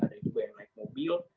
ada ibu yang naik mobil